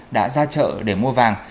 đã ra chợ để mua vàng